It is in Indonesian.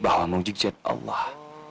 bahwa mengjigjat allah